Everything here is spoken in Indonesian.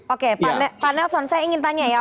oke pak nelson saya ingin tanya ya